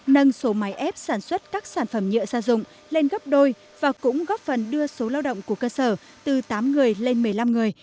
nâng số máy ép sản xuất các sản phẩm nhựa gia dụng lên gấp đôi và cũng góp phần đưa số lao động của cơ sở từ tám người lên một mươi năm người